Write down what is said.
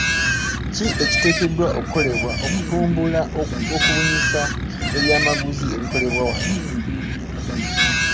Ki ekiteekeddwa okukolebwa okutumbula okubunyisa ebyamaguzi ebikolebwa wano?